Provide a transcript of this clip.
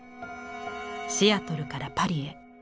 シアトルからパリへ。